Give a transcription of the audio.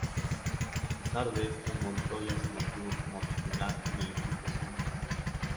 A pesar de esto, Montoya se mantuvo como titular en el equipo siendo figura.